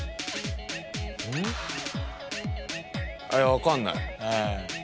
・分かんない。